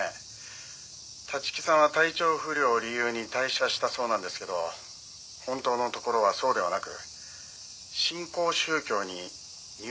立木さんは体調不良を理由に退社したそうなんですけど本当のところはそうではなく新興宗教に入信したという噂があったらしいんです」